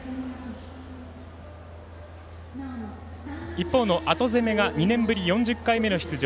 一方の後攻めが２年ぶり４０回目の出場